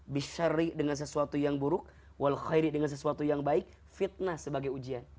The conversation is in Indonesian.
bisyari dengan sesuatu yang buruk walkhairi dengan sesuatu yang baik fitnah sebagai ujian